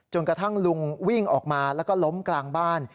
กระทั่งลุงวิ่งออกมาแล้วก็ล้มกลางบ้าน